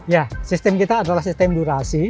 ya sistem kita adalah sistem durasi